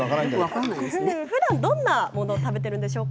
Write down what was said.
ふだんどんなものを食べているんでしょうか。